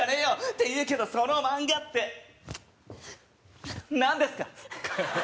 って言うけどその漫画ってなんですか？